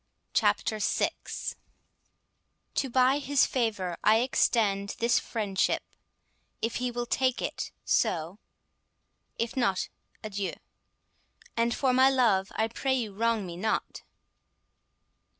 CHAPTER VI To buy his favour I extend this friendship: If he will take it, so; if not, adieu; And, for my love, I pray you wrong me not.